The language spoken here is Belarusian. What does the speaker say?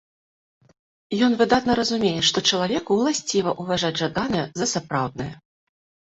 Ён выдатна разумее, што чалавеку ўласціва ўважаць жаданае за сапраўднае.